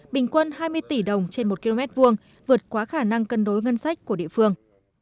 bình quân hai mươi tỷ đồng trên một km hai vượt quá khả năng cân đối ngân sách của địa phương